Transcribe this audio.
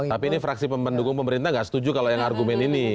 tapi ini fraksi pendukung pemerintah nggak setuju kalau yang argumen ini